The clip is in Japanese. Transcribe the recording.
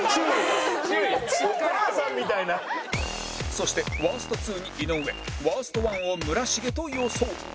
そしてワースト２に井上ワースト１を村重と予想